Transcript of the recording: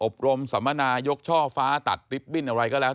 รมสัมมนายกช่อฟ้าตัดลิฟต์บิ้นอะไรก็แล้ว